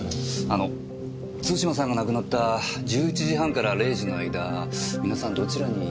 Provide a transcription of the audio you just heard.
あの津島さんが亡くなった１１時半から０時の間皆さんどちらに？